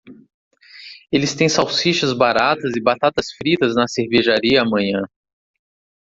Eles têm salsichas baratas e batatas fritas na cervejaria amanhã.